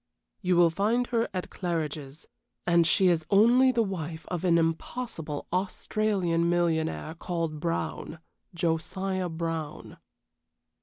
"You will find her at Claridge's, and she is only the wife of an impossible Australian millionaire called Brown Josiah Brown."